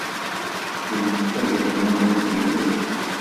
Kemm d tageldunt n tidet?